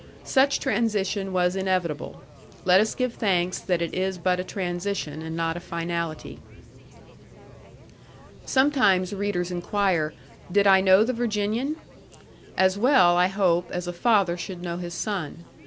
Such transition was inevitable. Let us give thanks that it is but a transition, and not a finality. Sometimes readers inquire, Did I know the Virginian? As well, I hope, as a father should know his son.